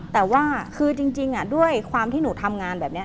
แต่ว่าคือจริงด้วยความที่หนูทำงานแบบนี้